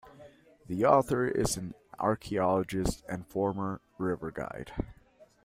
The author is an archeologist and former river guide.